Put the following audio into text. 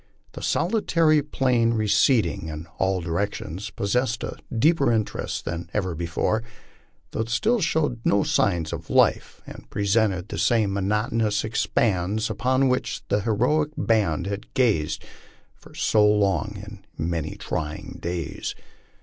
The solitary plain receding in all directions possessed a deeper interest than ever before, though it still showed no signs of life and presented the same monotonous expanse upon which the heroic band had gazed for so many trying days.